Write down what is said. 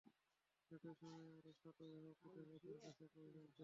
একই সময়ে আরও সাত অভিভাবক পৃথকভাবে তাঁর কাছে একই অভিযোগ দেন।